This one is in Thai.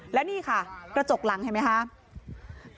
และนี่ค่ะกระจกหลังเห็นไหมคะ